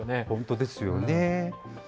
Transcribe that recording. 本当ですよね。